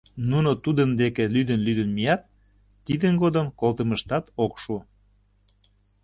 Нуно тудын дек лӱдын-лӱдын мият, тидын годым колтымыштат ок шу.